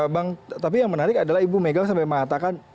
bang tapi yang menarik adalah ibu mega sampai mengatakan